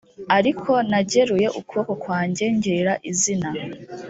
ariko nageruye ukuboko kwanjye ngirira izina